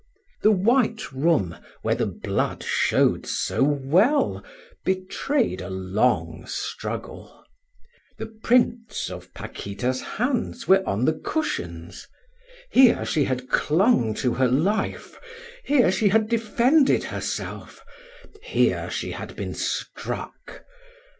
The white room, where the blood showed so well, betrayed a long struggle. The prints of Paquita's hands were on the cushions. Here she had clung to her life, here she had defended herself, here she had been struck.